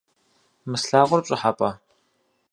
Мы слъагъур пщӏыхьэпӏэ?